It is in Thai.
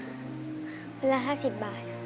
เวลา๕๐บาท